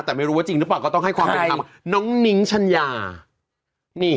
แต่ไม่รู้ว่าจริงหรือเปล่าก็ต้องให้ความเป็นธรรมน้องนิ้งชัญญานี่